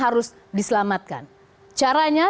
harus diselamatkan caranya